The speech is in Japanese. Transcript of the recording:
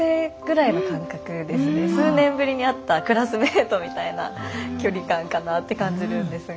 数年ぶりに会ったクラスメートみたいな距離感かなって感じるんですが。